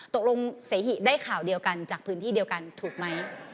ตกลงเสหิได้ข่าวเดียวกันจากพื้นที่เดียวกันถูกไหม